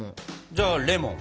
じゃあレモン。